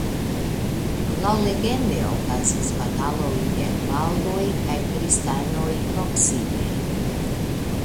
Laŭlegende okazis batalo inter maŭroj kaj kristanoj proksime.